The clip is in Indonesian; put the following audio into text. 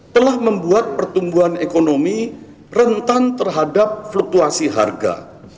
telah membuat pertumbuhan ekonomi rentan terhadap fluktuasi harga